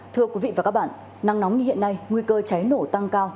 thưa quý vị và các bạn nắng nóng như hiện nay nguy cơ cháy nổ tăng cao